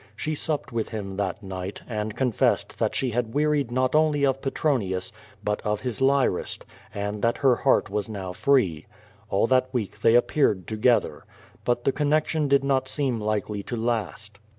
She supped with him that night, and confessed. that she had wearied not only of Petronius, but of his lyrist, and that her heart was now free. All that week they api)eared together. But the connection did not seem likely to la.st.